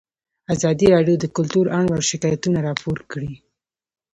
ازادي راډیو د کلتور اړوند شکایتونه راپور کړي.